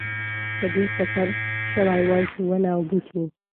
په دې فکر شوی وای چې ونه او بوټی.